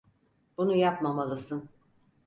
Bunu yapmamalısın.